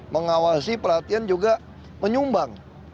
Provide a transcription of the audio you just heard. mengawasi perhatian juga menyumbang